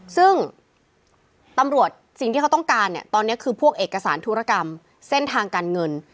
ซึ่งตำรวจสิ่งที่เขาต้องการเนี่ยตอนนี้คือพวกเอกสารธุรกรรมเส้นทางการเงิน